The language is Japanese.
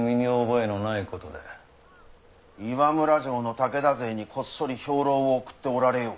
岩村城の武田勢にこっそり兵糧を送っておられよう。